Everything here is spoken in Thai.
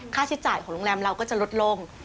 ค่าใช้จ่ายของโรงแรมเราก็จะลดลง